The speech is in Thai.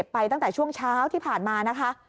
ไปตั้งแต่ช่วงเช้าที่ผ่านมานะคะ